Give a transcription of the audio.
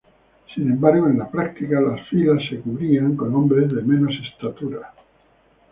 Sin embargo, en la práctica, las filas se cubrían con hombres de menos estatura.